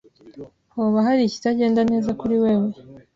Hoba hari ikitagenda neza kuri wewe?